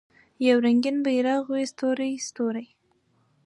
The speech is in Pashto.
یو رنګین بیرغ وي ستوری، ستوری